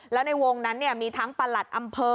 แล้วในวงนั้นมีทั้งประหลัดอำเภอ